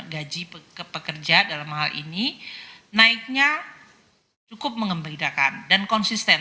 gaji ke pekerja dalam hal ini naiknya cukup mengembirakan dan konsisten